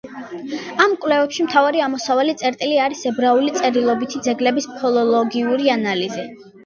ამ კვლევებში მთავარი ამოსავალი წერტილი არის ებრაული წერილობითი ძეგლების ფილოლოგიური ანალიზი.